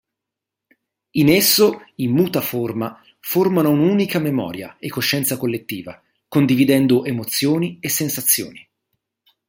In esso i "mutaforma" formano un'unica memoria e coscienza collettiva, condividendo emozioni e sensazioni.